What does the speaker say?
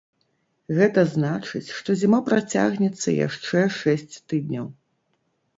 Гэта значыць, што зіма працягнецца яшчэ шэсць тыдняў.